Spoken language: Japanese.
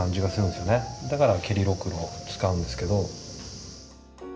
だから蹴りろくろを使うんですけど。